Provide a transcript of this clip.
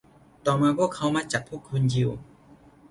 ต่อมา พวกเขามาจับพวกคนยิว